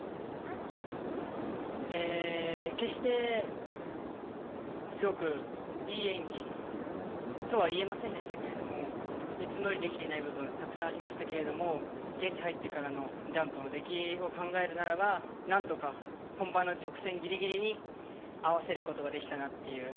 決してすごくいい演技とは言えませんでしたがいつもよりできていない部分たくさんありましたが現地に入ってからのジャンプの出来を考えるならば何度か本番の直前ぎりぎりに合わせることができたなという。